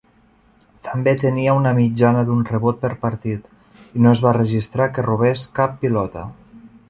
També tenia una mitjana d'un rebot per partit, i no es va registrar que robés cap pilota.